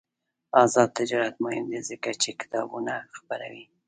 آزاد تجارت مهم دی ځکه چې کتابونه خپروي.